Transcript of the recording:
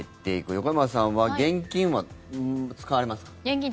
横山さんは現金は使われますか？